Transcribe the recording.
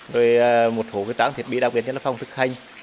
rồi một hộ cái tráng thiết bị đặc biệt là phong thực hành